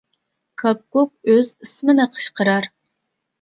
كاككۇك ئۆز ئىسمىنى قىچقىرار.